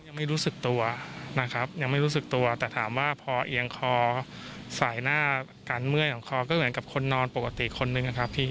น้องยังไม่รู้สึกตัวแต่ถามว่าพอเอียงคอสายหน้ากันเมื่อยของคอก็เหมือนกับคนนอนปกติคนหนึ่งครับพี่